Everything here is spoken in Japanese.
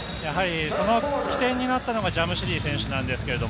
その起点になったのがジャムシディ選手です。